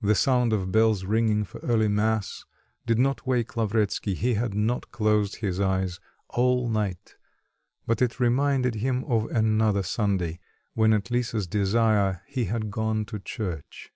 The sound of bells ringing for early mass did not wake Lavretsky he had not closed his eyes all night but it reminded him of another Sunday, when at Lisa's desire he had gone to church.